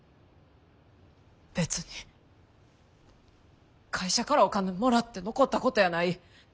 別に会社からお金もらって残ったことやない。